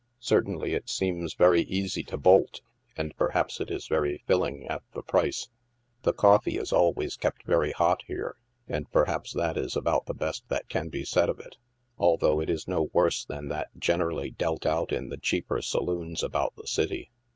Cer tainly it seems very easy to bolt, and perhaps it is very filling at the price. The coffee is always kept very hot, here, and perhaps that is about the best that can be said of it, although it is no worse than that generally dealt out in the cheaper saloons about the city.